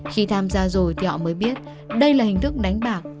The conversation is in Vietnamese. khi tham gia rồi thì họ mới biết đây là hình thức đánh bạc